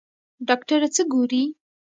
ډاکټره څه ګوري؟